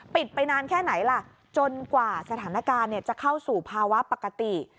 ไปนานแค่ไหนล่ะจนกว่าสถานการณ์จะเข้าสู่ภาวะปกติ